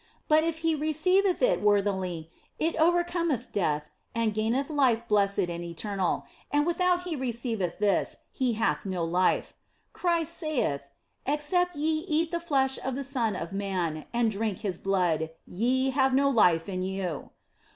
But if he receiveth it worthily, it overcometh death and gaineth life blessed 156 THE BLESSED ANGELA OF FOLIGNO and eternal, and without he receiveth this he hath no life. Christ saith, " Except ye eat the flesh of the Son of Man and drink His blood, ye have no life in you."